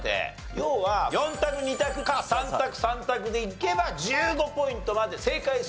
要は４択２択か３択３択でいけば１５ポイントまで正解すればですが。